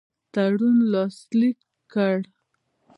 هغه تړون لاسلیک کړ.